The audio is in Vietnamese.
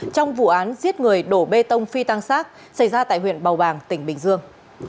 trong vụ án giết người đổ bê tông phi tăng sát xảy ra tại huyện bầu bàng tỉnh bình dương